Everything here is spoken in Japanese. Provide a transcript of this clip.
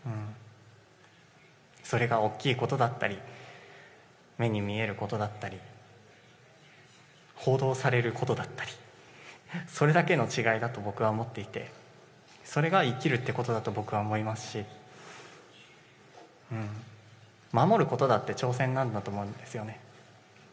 それが大きいことだったり目に見えることだったり、報道されることだったりそれだけの違いだと僕は思っていてそれが生きるってことだと僕は思いますし、守ることだって挑戦なんだと思うんですよね。